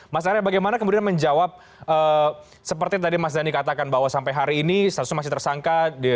mas arya bagaimana kemudian menjawab seperti tadi mas dhani katakan bahwa sampai hari ini statusnya masih tersangka